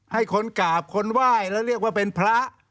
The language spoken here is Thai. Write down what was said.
ให้คนกราบคนไหว้แล้วเรียกว่าเป็นพระ